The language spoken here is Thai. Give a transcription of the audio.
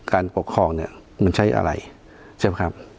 การปกครองเนี่ยมันใช้อะไรใช่ไหมครับ